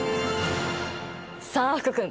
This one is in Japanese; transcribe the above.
さあ福君！